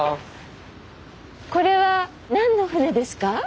これは何の船ですか？